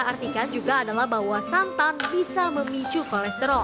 salah artikan juga adalah bahwa santan bisa memicu kolesterol